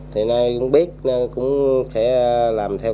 thì ai cũng biết cũng sẽ làm theo